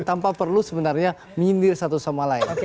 tanpa perlu sebenarnya mindir satu sama lain